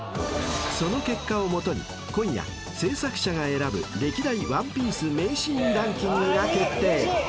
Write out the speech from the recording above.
［その結果を基に今夜制作者が選ぶ歴代『ワンピース』名シーンランキングが決定］